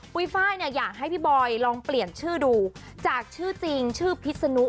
ไฟล์เนี่ยอยากให้พี่บอยลองเปลี่ยนชื่อดูจากชื่อจริงชื่อพิษนุ